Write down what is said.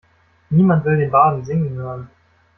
Niemand will den Barden singen hören.